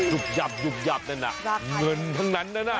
ยุบยับนั่นล่ะเงินทั้งนั้นล่ะ